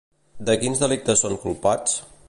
De quins delictes són culpats?